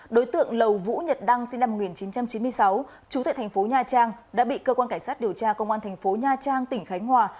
đối tượng lầu vũ nhật đăng sinh năm một nghìn chín trăm chín mươi sáu trú tại thành phố nha trang đã bị cơ quan cảnh sát điều tra công an thành phố nha trang tỉnh khánh hòa